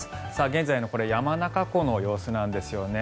現在の山中湖の様子なんですよね。